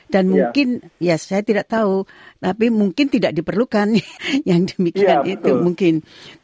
dan mungkin ya saya tidak tahu tapi mungkin tidak diperlukan yang demikian itu mungkin